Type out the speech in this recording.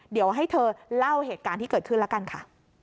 เดี๋ยวให้เธอเล่าเหตุการณ์ที่เกิดขึ้นแล้วกันค่ะ